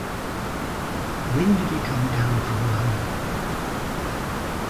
When did he come down from London?